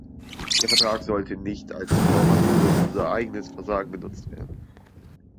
Der Vertrag sollte nicht als Vorwand für unser eigenes Versagen benutzt werden.